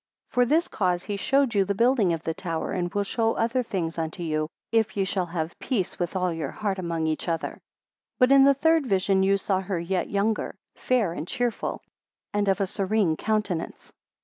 127 For this cause he showed you the building of the tower, and will show other things unto you, if you shall have peace with all your heart among each other. 128 But in the third vision you saw her yet younger, fair and cheerful, and of a serene countenance.